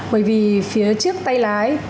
bởi vì phía trước tay lái